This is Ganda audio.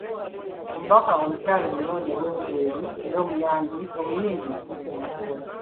Omubaka omukyala omulonde owa Bugweri era omuyimbi Rachel Magoola.